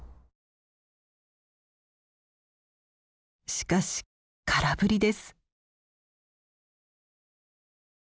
しかし空振りです。